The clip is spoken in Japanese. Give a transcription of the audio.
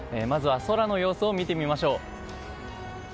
まずは空の様子を見てみましょう。